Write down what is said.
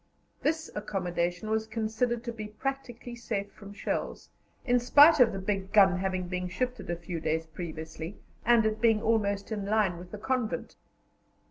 This accommodation was considered to be practically safe from shells, in spite of the big gun having been shifted a few days previously, and it being almost in a line with the convent.